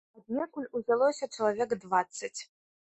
Аднекуль узялося чалавек дваццаць.